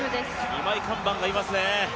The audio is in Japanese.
二枚看板がいますね。